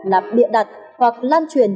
làm bịa đặt hoặc lan truyền